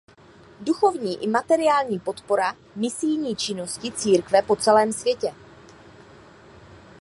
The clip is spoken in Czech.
Duchovní i materiální podpora misijní činnosti církve po celém světě.